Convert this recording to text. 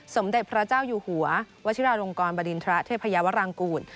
สมเด็จพระเจ้าอยู่หัววชิราลงกรบริณฑระเทพยาวรางกูล